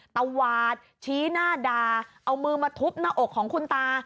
ตวาดชี้หน้าด่าเอามือมาทุบหน้าอกของคุณตา